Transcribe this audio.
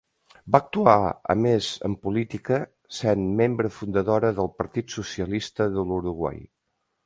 Va actuar a més en política, sent membre fundadora del Partit Socialista de l'Uruguai.